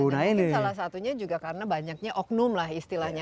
mungkin salah satunya juga karena banyaknya oknum lah istilahnya